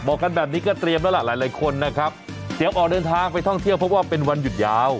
บอกกันแบบนี้ก็เตรียมแล้วล่ะหลายหลายคนนะครับเดี๋ยวออกเดินทางไปท่องเที่ยวเพราะว่าเป็นวันหยุดยาว